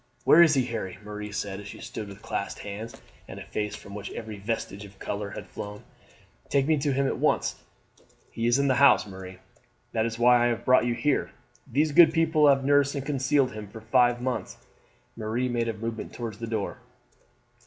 "Where is he, Harry?" Marie said as she stood with clasped hands, and a face from which every vestige of colour had flown. "Take me to him at once." "He is in the house, Marie; that is why I have brought you here. These good people have nursed and concealed him for five months." Marie made a movement towards the door.